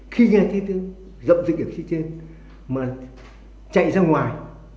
khi nghe tiếng thương rậm dịch ở phía trên mà chạy ra ngoài